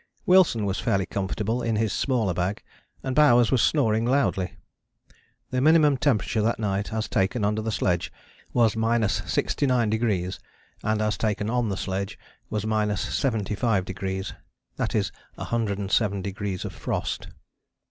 Wilson was fairly comfortable in his smaller bag, and Bowers was snoring loudly. The minimum temperature that night as taken under the sledge was 69°; and as taken on the sledge was 75°. That is a hundred and seven degrees of frost.